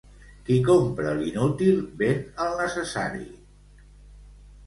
Qui compra l'inútil, ven el necessari.